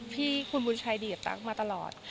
ที่คุณบุญชัยดีกับตั๊กมาตลอด